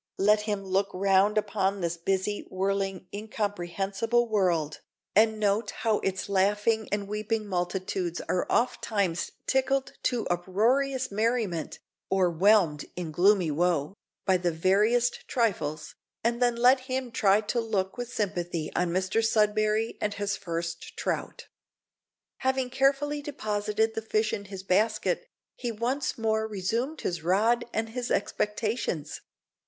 Let him look round upon this busy, whirling, incomprehensible world, and note how its laughing and weeping multitudes are oft times tickled to uproarious merriment, or whelmed in gloomy woe, by the veriest trifles, and then let him try to look with sympathy on Mr Sudberry and his first trout. Having carefully deposited the fish in his basket, he once more resumed his rod and his expectations.